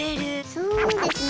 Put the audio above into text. そうですね。